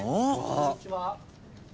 ・こんにちは。